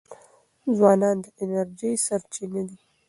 ځوانان د انرژۍ سرچینه دي.